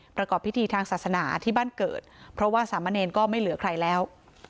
ประกอบพิธีทางศาสนาที่บ้านเกิดเพราะว่าสามะเนรก็ไม่เหลือใครแล้ว